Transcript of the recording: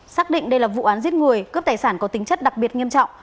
xác định đây là vụ án giết người cướp tài sản có tính chất đặc biệt nghiêm trọng